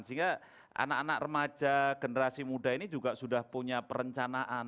sehingga anak anak remaja generasi muda ini juga sudah punya perencanaan